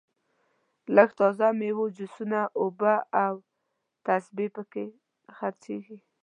لږه تازه میوه جوسونه اوبه او تسبې په کې خرڅېږي.